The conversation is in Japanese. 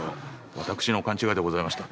私の勘違いでございました。